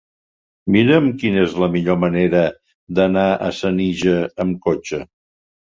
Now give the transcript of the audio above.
Mira'm quina és la millor manera d'anar a Senija amb cotxe.